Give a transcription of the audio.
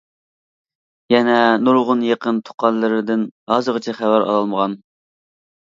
يەنە نۇرغۇن يېقىن تۇغقانلىرىدىن ھازىرغىچە خەۋەر ئالالمىغان.